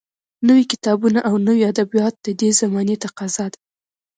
نوي کتابونه او نوي ادبیات د دې زمانې تقاضا ده